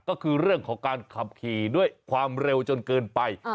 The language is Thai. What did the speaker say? ก็คือเรื่องของการขับขี่ด้วยความเร็วจนเกินไป